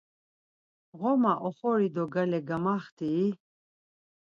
Ğoma oxori do gale gamaxt̆ii?